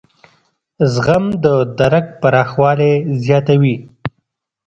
زغم د درک پراخوالی زیاتوي.